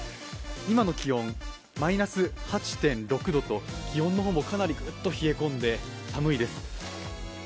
今の気温、マイナス８．６度と気温の方もかなりぐっと冷え込んで寒いです。